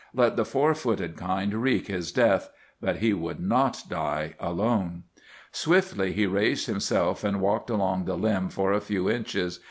Let the four footed kind wreak his death; but he would not die alone. Swiftly he raised himself and walked along the limb for a few inches.